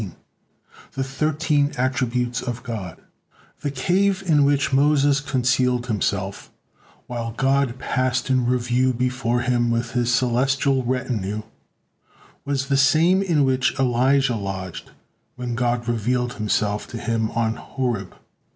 THE THIRTEEN ATTRIBUTES OF GOD The cave in which Moses concealed himself while God passed in review before him with His celestial retinue, was the same in which Elijah lodged when God revealed Himself to him on Horeb.